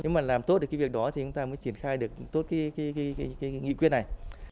nếu mà làm tốt được cái việc đó thì chúng ta mới triển khai được tốt cái nghị quyết này